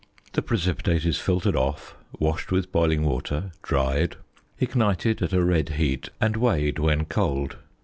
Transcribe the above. The precipitate is filtered off, washed with boiling water, dried, ignited at a red heat, and weighed when cold.